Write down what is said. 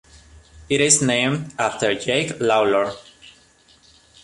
It is named after Jake Lawlor.